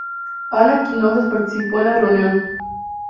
Ana Quincoces no participó en la reunión.